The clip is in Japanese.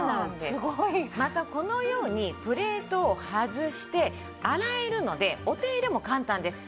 すごい！またこのようにプレートを外して洗えるのでお手入れも簡単です。